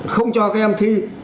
không cho các em thi